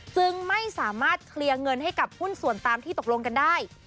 จึงไม่สามารถเคลียร์เงินให้กับหุ้นส่วนตามที่ตกลงกันได้